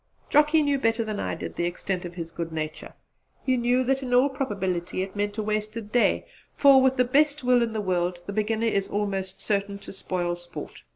Rocky knew better than I did the extent of his good nature; he knew that in all probability it meant a wasted day; for, with the best will in the world, the beginner is almost certain to spoil sport.